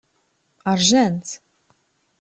Ṛjant.